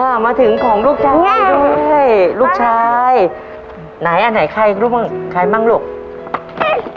อ่ามาถึงของลูกชายด้วยลูกชายไหนอ่ะไหนใครรู้มั้งใครมั้งหรือ